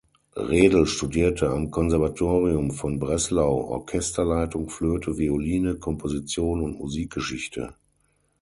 Redel studierte am Konservatorium von Breslau Orchesterleitung, Flöte, Violine, Komposition und Musikgeschichte.